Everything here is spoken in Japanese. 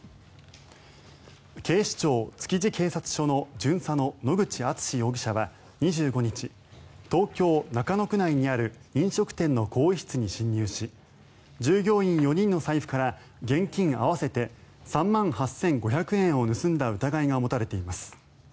警視庁築地警察署の巡査の野口敦史容疑者は２５日東京・中野区内にある飲食店の更衣室に侵入し従業員４人の財布から現金合わせて３万８５００円を盗んだ疑いが持たれています。